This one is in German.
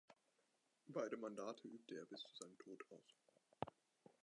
Beide Mandate übte er bis zu seinem Tod aus.